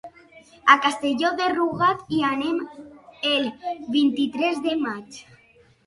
A Castelló de Rugat hi anem el vint-i-tres de maig.